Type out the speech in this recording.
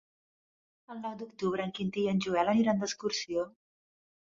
El nou d'octubre en Quintí i en Joel aniran d'excursió.